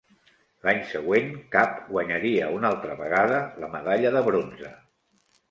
L'any següent, Kapp guanyaria una altra vegada la medalla de bronze.